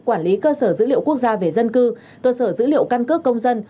quản lý cơ sở dữ liệu quốc gia về dân cư cơ sở dữ liệu căn cước công dân